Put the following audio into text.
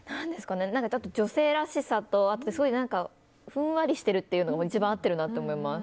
女性らしさとふんわりしてるというのが一番合ってるなって思います。